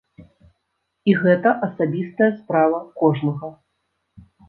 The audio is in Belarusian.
І гэта асабістая справа кожнага.